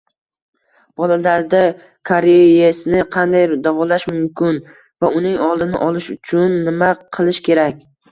Bolalarda kariyesni qanday davolash mumkin va uning oldini olish uchun nima qilish kerak?